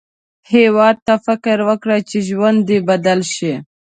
هیواد ته فکر وکړه، چې ژوند دې بدل شي